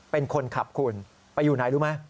เป็นคนขับคุณไปอยู่ไหนรู้ไหม